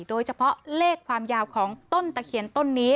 โดยเฉพาะเลขความยาวของต้นตะเคียนต้นนี้